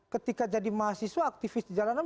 ketika jadi mahasiswa aktivis di jalanan